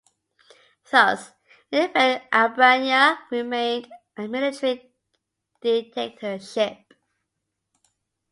Thus, in effect, Albania remained a military dictatorship.